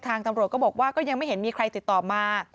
ทางตำรวจก็บอกว่าก็ยังไม่เห็นมีใครติดต่อมา